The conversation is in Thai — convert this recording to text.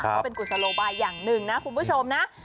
ก็เป็นกุศโลบายอย่างหนึ่งนะคุณผู้ชมนะ